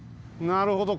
なるほど。